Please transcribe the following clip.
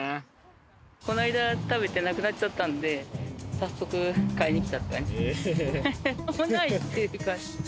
この間食べてなくなっちゃったんで早速買いに来たって感じです。